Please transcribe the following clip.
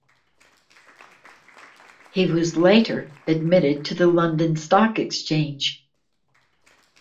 He was later admitted to the London Stock Exchange.